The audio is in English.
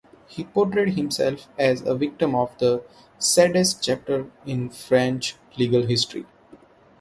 He portrayed himself as a victim of "the saddest chapter in French legal history".